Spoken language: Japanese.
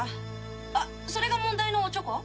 あっそれが問題のオチョコ？